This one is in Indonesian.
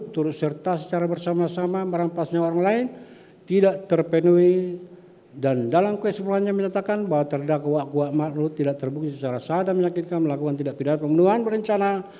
turut serta secara bersama sama merampasnya orang lain tidak terpenuhi dan dalam kesimpulannya menyatakan bahwa terdakwa kuat makruh tidak terbukti secara sah dan menyakinkan melakukan tidak pidana pembunuhan berencana